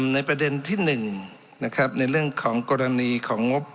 ในประเด็นที่หนึ่งนะครับในเรื่องของกรณีของงบ